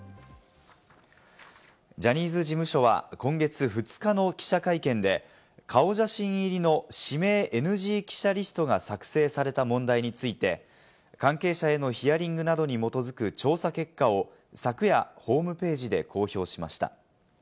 ジャニーズ事務所は今月２日の記者会見で、顔写真入りの指名ＮＧ記者リストが作成された問題について、関係者へのヒアリングなどに基づく調査結果を昨夜ホームページで公表しました。